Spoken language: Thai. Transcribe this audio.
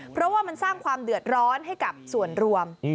เพราะว่ามันสร้างความเดือดร้อนให้กับส่วนรวม